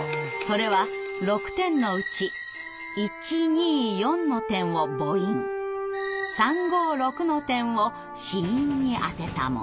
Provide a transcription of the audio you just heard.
それは６点のうち１２４の点を母音３５６の点を子音にあてたもの。